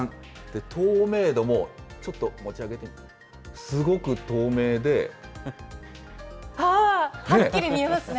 透明度もちょっと持ち上げて、あー、はっきり見えますね。